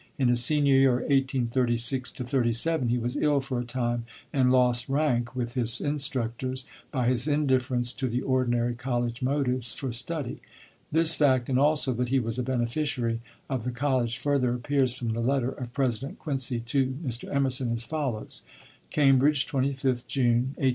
In his senior year, 1836 37, he was ill for a time, and lost rank with his instructors by his indifference to the ordinary college motives for study. This fact, and also that he was a beneficiary of the college, further appears from the letter of President Quincy to Mr. Emerson, as follows: "CAMBRIDGE, 25th June, 1837.